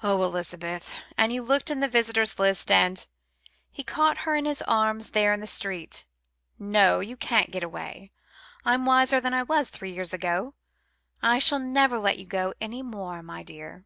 "Oh, Elizabeth! and you looked in the visitors' list and " He caught her in his arms there in the street. "No; you can't get away. I'm wiser than I was three years ago. I shall never let you go any more, my dear."